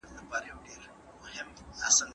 تاسو د شفتالو په خوړلو بوخت یاست.